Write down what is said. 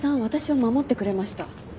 私を守ってくれました。